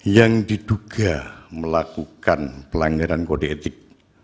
yang diduga melakukan pelanggaran kode etik